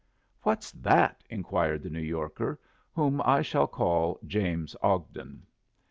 "What's that?" inquired the New Yorker, whom I shall call James Ogden.